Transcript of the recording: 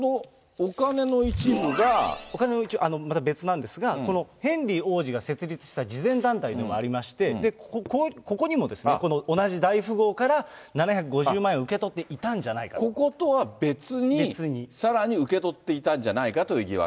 お金の一部、また別なんですが、このヘンリー王子が設立した慈善団体でもありまして、ここにもですね、この同じ大富豪から７５０万円受け取っていたんじゃないかと。こことは別に、さらに受け取っていたんじゃないかという疑惑。